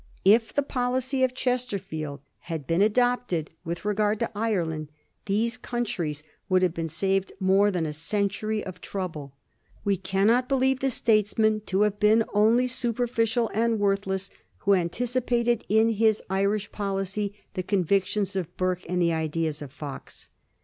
If the policy of Chesterfield had been adopted with regard to Ireland, these countries would have been saved more than a century of trouble. We cannot believe the statesman to have been only superficial and worth less who anticipated in his Irish policy the convictions of Burke and the ideas of Fox.